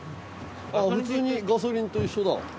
あっ普通にガソリンと一緒だ。